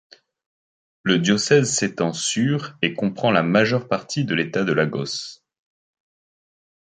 Le diocèse s’étend sur et comprend la majeure partie de l’État de Lagos.